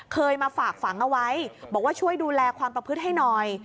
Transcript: เคยมาฝากฝังเอาไว้บอกว่าช่วยดูแลความประพฤติให้หน่อย